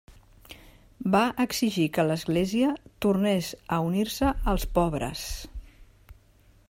Va exigir que l'Església tornés a unir-se als pobres.